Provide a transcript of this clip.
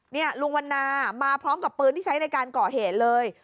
นี่ลุงวันนามาพร้อมกับปืนที่ใช้ในการก่อเหตุเลย